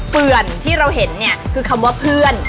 เปื่อนที่เราเห็นเนี่ยคือคำว่าเพื่อน